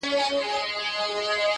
هم په رنگ هم په اخلاق وو داسي ښکلی!